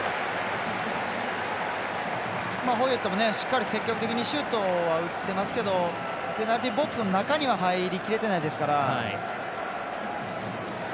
ホイレットも積極的にシュートは打ってますけどペナルティーボックスの中には入りきれてないですから。